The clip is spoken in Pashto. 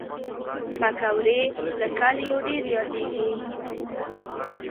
پکورې له کلیو ډېر یادېږي